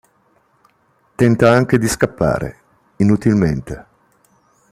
Tenta anche di scappare, inutilmente.